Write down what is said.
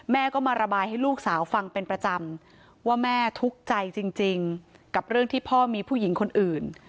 แม่ก็มาระบายให้ลูกสาวฟังเป็นประจำว่าแม่ทุกข์ใจจริงกับเรื่องที่พ่อมีผู้หญิงคนอื่น